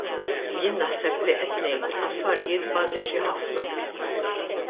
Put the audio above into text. Jien naħseb li qed ngħid affarijiet bażiċi ħafna.